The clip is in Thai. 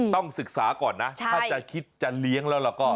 ต้องศึกษาก่อนนะถ้าจะคิดจะเลี้ยงแล้วก็